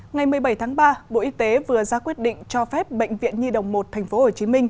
ngày một mươi bảy tháng ba bộ y tế vừa ra quyết định cho phép bệnh viện nhi đồng một tp hcm